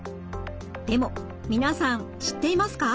でも皆さん知っていますか？